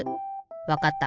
わかった。